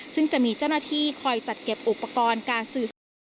ซึ่งจะมีเจ้าหน้าที่คอยจัดเก็บอุปกรณ์การสื่อสาร